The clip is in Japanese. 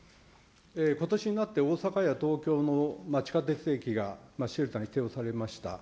ことしになって大阪や東京の地下鉄駅が、シェルターに指定をされました。